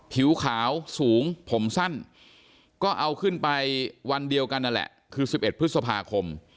ผิวขาวสูงผมสั้นก็เอาขึ้นไปวันเดียวกันนั่นแหละคือ๑๑พฤษภาคม